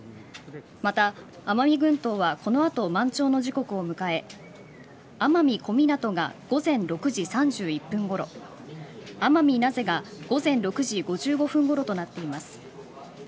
また奄美群島はこの後満潮の時刻を迎え奄美小湊が午前６時３１分ごろ奄美名瀬が午前６時５５分ごろとなっています。